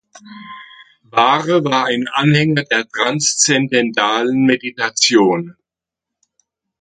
Ware war ein Anhänger der Transzendentalen Meditation.